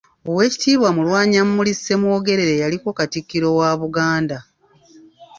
Owekitiibwa Mulwanyammuli Ssemwogwrere yaliko katikkiro wa Buganda.